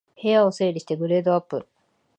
部屋を整理してグレードアップ